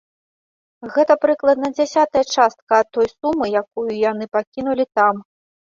Гэта прыкладна дзясятая частка ад той сумы, якую яны пакінулі там.